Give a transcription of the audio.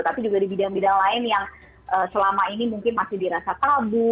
tapi juga di bidang bidang lain yang selama ini mungkin masih dirasa tabu